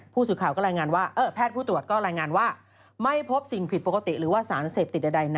ผู้สูทข่าวก็รายงานว่าไม่พบสิ่งผิดปกติหรือว่าสารเสพติดใดใดในเลือด